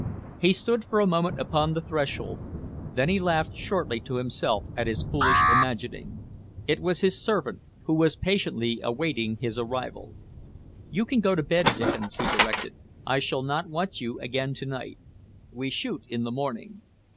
He stood for a moment upon the threshold, then laughed shortly to himself at his foolish imagining. It was his servant who was patiently awaiting his arrival. "You can go to bed, Dickens," he directed. "I shall not want you again to night. We shoot in the morning."